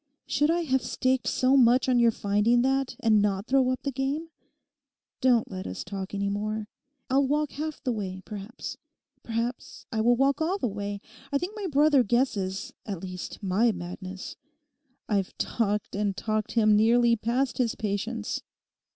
Should I have staked so much on your finding that, and now throw up the game? Don't let us talk any more. I'll walk half the way, perhaps. Perhaps I will walk all the way. I think my brother guesses—at least my madness. I've talked and talked him nearly past his patience.